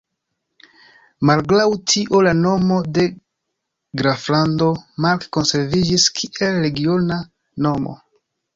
Malgraŭ tio la nomo de Graflando Mark konserviĝis kiel regiona nomo.